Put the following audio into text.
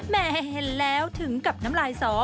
แม่เห็นแล้วถึงกับน้ำลายสอ